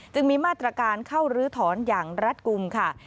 จึงมีมาตรการเข้าลื้อถอนอย่างรัฐกลุ่มค่ะ